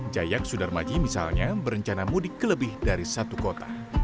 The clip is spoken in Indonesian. jayak sudarmaji misalnya berencana mudik kelebih dari satu kota